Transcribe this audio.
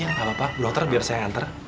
gak apa apa bu dokter biar saya yang antar